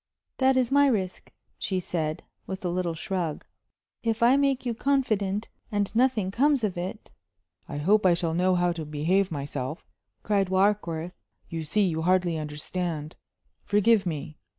"That is my risk," she said, with a little shrug. "If I make you confident, and nothing comes of it " "I hope I shall know how to behave myself," cried Warkworth. "You see, you hardly understand forgive me!